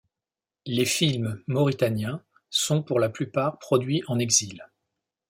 Les films mauritaniens sont pour la plupart produits en exil.